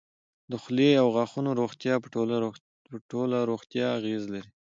د خولې او غاښونو روغتیا په ټوله روغتیا اغېز لري.